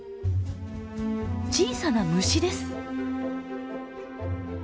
小さな虫です。